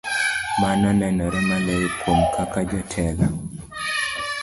Mano nenore maler kuom kaka jotelo